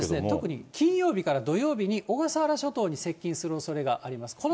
特に金曜日から土曜日に小笠原諸島に接近するおそれがあります。